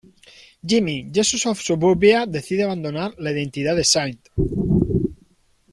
Jimmy: Jesus of Suburbia decide abandonar la identidad de St.